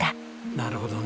なるほどね。